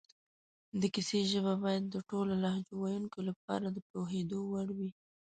د کیسې ژبه باید د ټولو لهجو ویونکو لپاره د پوهېدو وړ وي